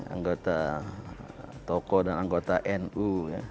anggota toko dan anggota nu